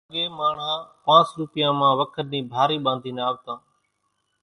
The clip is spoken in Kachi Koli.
اڳيَ ماڻۿان پانس روپيان مان وکر نِي ڀارِي ٻاڌينَ آوتان۔